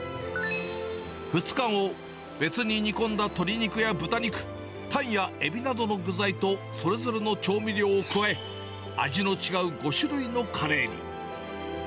２日後、別に煮込んだ鶏肉や豚肉、貝やエビなどの具材とそれぞれの調味料を加え、味の違う５種類のカレーに。